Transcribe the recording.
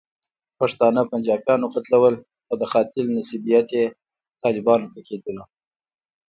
پښتانه پنجابیانو قتلول، خو د قاتل نسبیت یې طالبانو ته کېدلو.